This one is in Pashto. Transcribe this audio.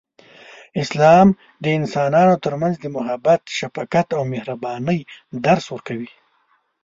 اسلام د انسانانو ترمنځ د محبت، شفقت، او مهربانۍ درس ورکوي.